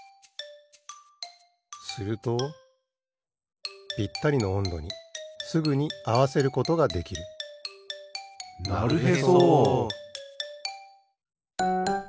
するとぴったりのおんどにすぐにあわせることができるなるへそ！